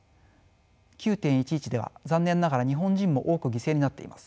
９．１１では残念ながら日本人も多く犠牲になっています。